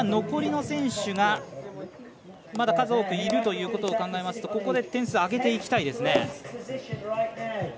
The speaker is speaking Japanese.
残りの選手がまだ数多くいるということを考えますとここで点数上げていきたいですね。